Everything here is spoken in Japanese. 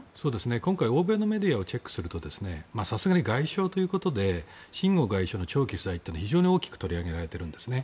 今回、欧米のメディアをチェックするとさすがに外相ということでシン・ゴウ外相の長期不在というのは非常に大きく取り上げられているんですね。